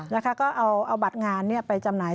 แล้วก็เอาบัตรงานไปจำหน่าย